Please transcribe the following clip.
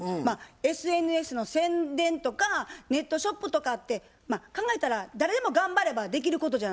ＳＮＳの宣伝とかネットショップとかってまあ考えたら誰でも頑張ればできることじゃないですか。